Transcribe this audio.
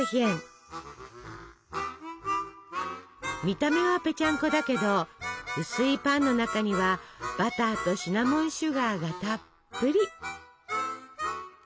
見た目はぺちゃんこだけど薄いパンの中にはバターとシナモンシュガーがたっぷり。